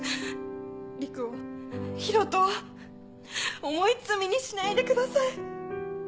陸を博人を重い罪にしないでください。